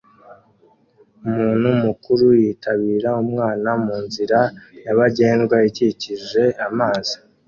Umuntu mukuru yitabira umwana munzira nyabagendwa ikikije amazi